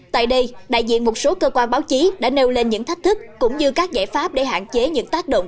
tại đây đại diện một số cơ quan báo chí đã nêu lên những thách thức cũng như các giải pháp để hạn chế những tác động